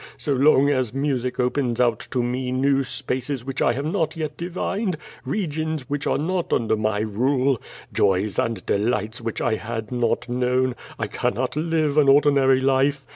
So long as music opens out to me new spaces which I have not yet divined, re gions which are not under my rule, joys and delights which I had not known, I cannot live an ordinary life.